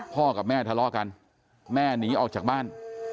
กับแม่ทะเลาะกันแม่หนีออกจากบ้าน